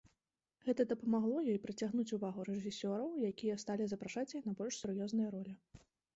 Гэта дапамагло ёй прыцягнуць увагу рэжысёраў, якія сталі запрашаць яе на больш сур'ёзныя ролі.